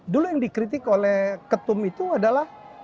dulu yang dikritik oleh ketum itu adalah